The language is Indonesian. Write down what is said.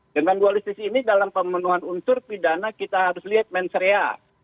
dengan dualistis ini dalam pemenuhan unsur pidana kita harus lihat menseria